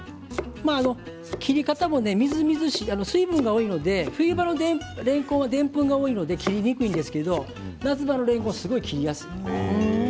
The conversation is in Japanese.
切り方もみずみずしい水分が多いので冬場のれんこん、でんぷんが多いので切りにくいですけど夏場のれんこんはすごい切りやすいです。